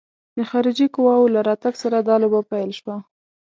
د خارجي قواوو له راتګ سره دا لوبه پیل شوه.